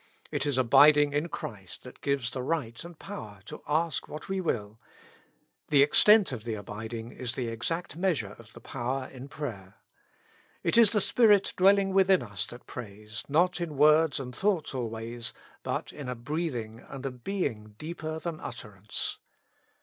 It is abiding in Christ that gives the right and power to ask what we will ; the extent of the abiding is the exact measure of the power in prayer. It is the Spirit dwelling within us that prays, not in words and thoughts always, but in a breathing and a being deeper than utterance.